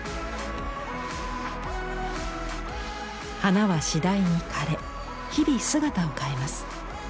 花は次第に枯れ日々姿を変えます。